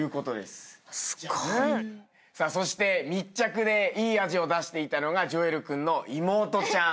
すごい。さあそして密着でいい味を出していたのがジョエル君の妹ちゃん。